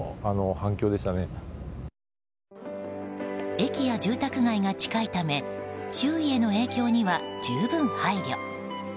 駅や住宅街が近いため周囲への影響には十分配慮。